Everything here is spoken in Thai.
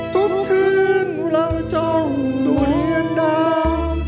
ทุกคืนเราจองดูเลือดดาว